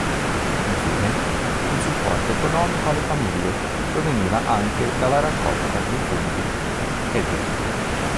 Infine, un supporto economico alle famiglie proveniva anche dalla raccolta dei funghi eduli.